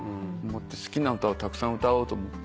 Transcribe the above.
好きな歌をたくさん歌おうと思って。